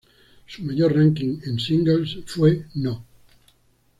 Su mayor ranking en singles fue no.